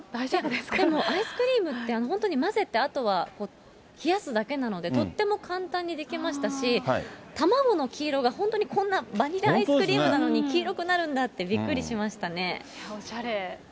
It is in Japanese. でも、アイスクリームって混ぜて、あとは本当に冷やすだけなので、とっても簡単に出来ましたし、卵の黄色が本当にこんな、バニラアイスクリームなのに、黄色くなるんだってびっくりしましたおしゃれ。